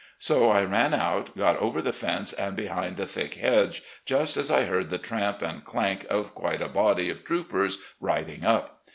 So I ran out, got over the fence and behind a thick hedge, just as I heard the tramp and clank of quite a body of troopers riding up.